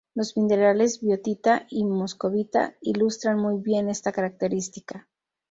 Los minerales biotita y moscovita ilustran muy bien esta característica.